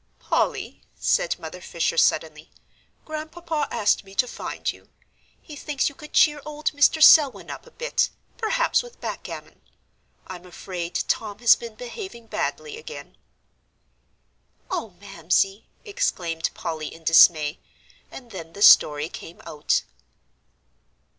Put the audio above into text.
"Polly," said Mother Fisher, suddenly, "Grandpapa asked me to find you; he thinks you could cheer old Mr. Selwyn up a bit, perhaps, with backgammon. I'm afraid Tom has been behaving badly again." "Oh, Mamsie!" exclaimed Polly, in dismay. And then the story came out.